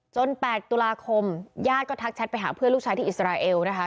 ๘ตุลาคมญาติก็ทักแชทไปหาเพื่อนลูกชายที่อิสราเอลนะคะ